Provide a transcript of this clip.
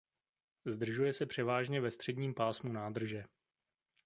Zdržuje se převážně ve středním pásmu nádrže.